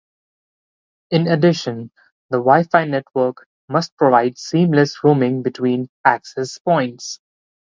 In addition, the Wi-Fi network must provide seamless roaming between access points.